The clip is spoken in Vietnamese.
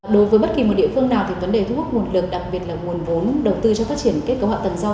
đối với bất kỳ một địa phương nào thì vấn đề thu hút nguồn lực đặc biệt là nguồn vốn đầu tư cho phát triển kết cấu hạ tầng giao